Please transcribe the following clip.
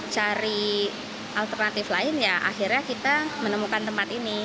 cari alternatif lain ya akhirnya kita menemukan tempat ini